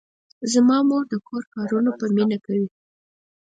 زما مور د کور کارونه په مینه کوي.